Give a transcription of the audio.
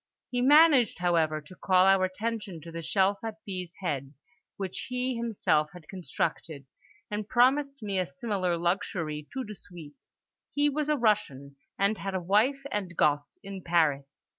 He managed, however, to call our attention to the shelf at B.'s head which he himself had constructed, and promised me a similar luxury toute de suite. He was a Russian, and had a wife and gosse in Paris.